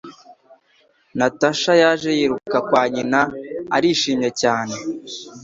Natasha yaje yiruka kwa nyina, arishimye cyane.